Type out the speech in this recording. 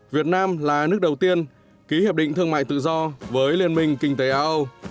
việt nam là nước đầu tiên ký hiệp định thương mại tự do với liên minh kinh tế a âu